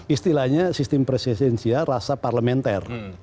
istilahnya sistem presidensial rasa parlementer